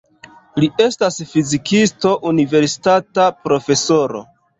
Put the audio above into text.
Li estas fizikisto, universitata profesoro.